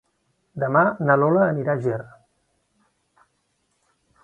Demà na Lola anirà a Ger.